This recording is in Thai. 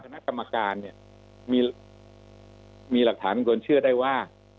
ท่านกำการเนี่ยมีมีหลักฐานก็ควรเชื่อได้ว่า